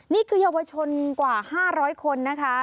นี่คือเยาวชนกว่า๕๐๐คนนะคะ